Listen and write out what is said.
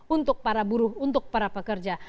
untuk para buruh untuk para pekerja